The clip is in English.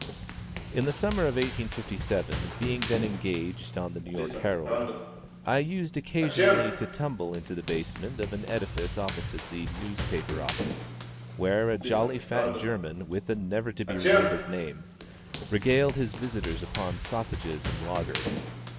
In the summer of 1857, being then engaged on the New York Herald, I used occasionally to tumble into the basement of an edifice opposite the newspaper office, where a jolly, fat German, with a never to be remembered name, regaled his visitors upon sausages and "lager."